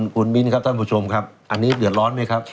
คุณมินครับอันนี้เดือดร้อนไหมครับ